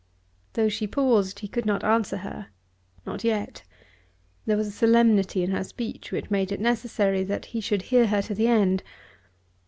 Though she paused he could not answer her, not yet. There was a solemnity in her speech which made it necessary that he should hear her to the end.